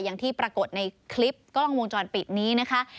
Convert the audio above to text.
อย่างที่ปรากฏในคลิปกล้องวงจรปิดนี้นะคะ